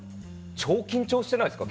超緊張してないですか？